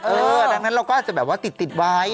ดังนั้นเราก็อาจจะแบบว่าติดไว้